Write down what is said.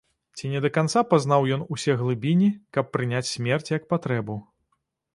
Ці не да канца пазнаў ён усе глыбіні, каб прыняць смерць як патрэбу?